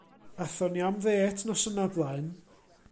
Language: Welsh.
Athon ni am ddêt noson o'r blaen.